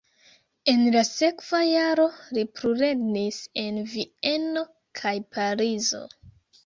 En la sekva jaro li plulernis en Vieno kaj Parizo.